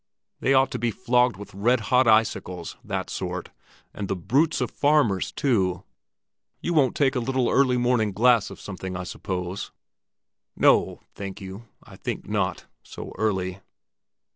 They ought to be flogged with red hot icicles, that sort, and the brutes of farmers, too! You won't take a little early morning glass of something, I suppose?" "No, thank you, I think not—so early."